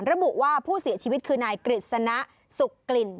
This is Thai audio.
ระบุว่าผู้เสียชีวิตคือนายกฤษณะสุขกลิ่น